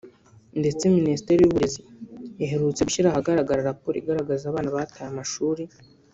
ndetse Minisiteri y’uburezi iherutse gushyira ahagaragara raporo igaragaza abana bataye amashuri